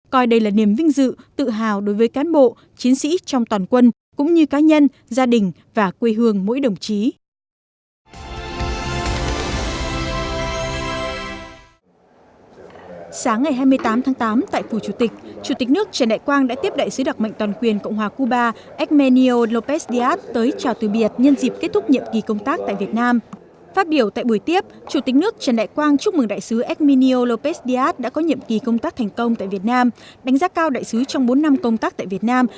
coi đây là niềm vinh dự tự hào đối với cán bộ chiến sĩ trong toàn quân cũng như cá nhân gia đình và quê hương mỗi đồng chí